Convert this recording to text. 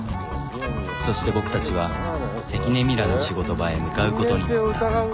そして僕たちは関根ミラの仕事場へ向かうことになった。